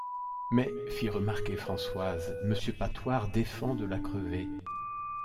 Mais, fit remarquer Françoise, Monsieur Patoir défend de la crever.